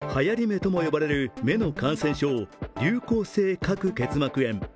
感染力が強く、はやり目とも呼ばれる目の感染症、流行性角結膜炎。